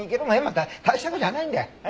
あ大した事じゃないんだよ。